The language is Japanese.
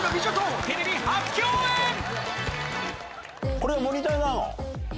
これがモニターなの？